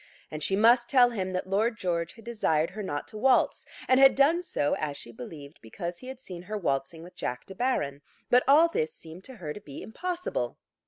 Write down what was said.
And she must tell him that Lord George had desired her not to waltz, and had done so, as she believed, because he had seen her waltzing with Jack De Baron. But all this seemed to her to be impossible.